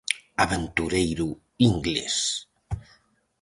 Aventureiro inglés.